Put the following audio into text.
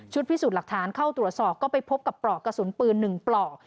พิสูจน์หลักฐานเข้าตรวจสอบก็ไปพบกับปลอกกระสุนปืน๑ปลอก